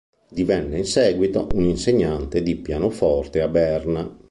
Divenne in seguito un insegnante di pianoforte a Berna.